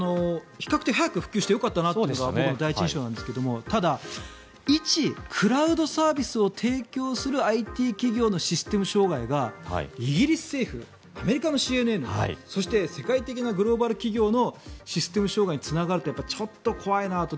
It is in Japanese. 比較的早く復旧してよかったなというのが僕の第一印象なんですがただ、一クラウドサービスを提供するＩＴ企業のシステム障害がイギリス政府、アメリカのＣＮＮそして世界的なグローバル企業のシステム障害につながるのはちょっと怖いなと。